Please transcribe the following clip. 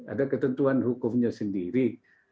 ada ketentuan hukumnya sendiri